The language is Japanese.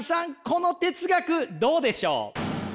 この哲学どうでしょう？